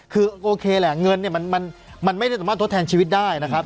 คือแหละเงินเนี้ยมันมันมันไม่ได้สำหรับทดแทนชีวิตได้นะครับ